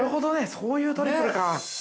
そういうトリプルか。